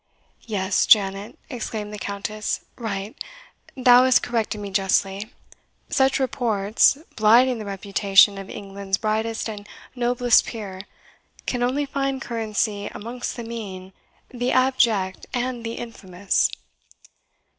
"Yes, Janet!" exclaimed the Countess; "right, thou hast corrected me justly. Such reports, blighting the reputation of England's brightest and noblest peer, can only find currency amongst the mean, the abject, and the infamous!"